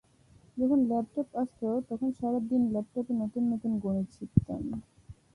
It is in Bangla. যখন ল্যাপটপ আসত, তখন সারা দিন ল্যাপটপে নতুন নতুন গণিত শিখতাম।